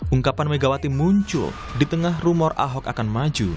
ungkapan megawati muncul di tengah rumor ahok akan maju